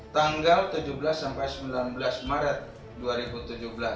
tanggal tujuh belas sampai sembilan belas maret dua ribu tujuh belas